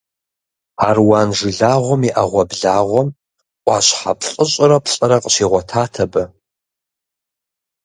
Аруан жылагъуэм и Ӏэгъуэблагъэм Ӏуащхьэ плӏыщӏрэ плӏырэ къыщигъуэтат абы.